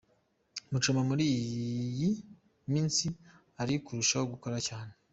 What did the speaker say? Muchoma muri iyi minsi ari kurushaho gukora cyane.